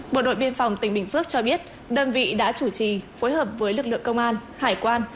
bộ đội biên phòng tỉnh bình phước cho biết đơn vị đã chủ trì phối hợp với lực lượng công an hải quan